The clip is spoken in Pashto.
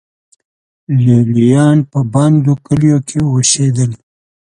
لې لیان په بندو کلیو کې اوسېدل